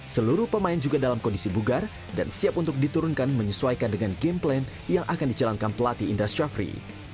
seluruh pemain juga dalam kondisi bugar dan siap untuk diturunkan menyesuaikan dengan game plan yang akan dijalankan pelatih indra syafri